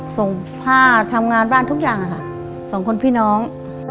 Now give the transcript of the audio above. ส่งผ้าทำงานบ้านทุกอย่างค่ะสองคนพี่น้อง